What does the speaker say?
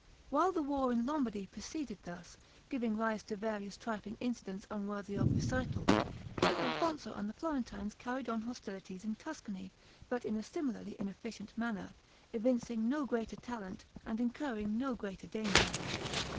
While the war in Lombardy proceeded thus, giving rise to various trifling incidents unworthy of recital, King Alfonso and the Florentines carried on hostilities in Tuscany, but in a similarly inefficient manner, evincing no greater talent, and incurring no greater danger.